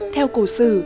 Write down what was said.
theo cổ sử